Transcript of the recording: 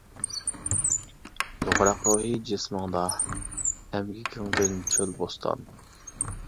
توغراق روھى جىسمىڭدا، ئەمگىكىڭدىن چۆل بوستان.